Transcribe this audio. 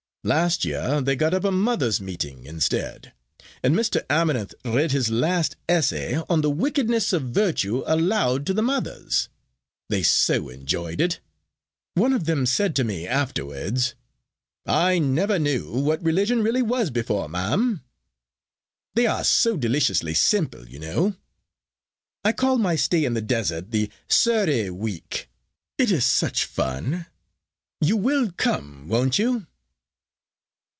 Last year they got up a mothers' meeting instead, and Mr. Amarinth read his last essay on 'The Wickedness of Virtue' aloud to the mothers. They so enjoyed it. One of them said to me afterwards, 'I never knew what religion really was before, ma'am.' They are so deliciously simple, you know. I call my stay in the desert 'the Surrey week.' It is such fun. You will come, won't you?"